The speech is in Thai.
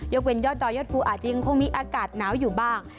เว้นยอดดอยยอดภูอาจจะยังคงมีอากาศหนาวอยู่บ้าง